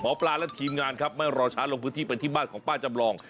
หมอปลารักษฐ์ทีมงานครับมารอชาร์จลงพื้นที่ไปที่บ้านของป้าจำรอง